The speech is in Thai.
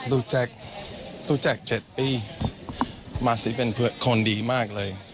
ลูกรู้จักดู๗ปีมาซี่ให้อยู่เป็นเพื่อนคนดีมากเลย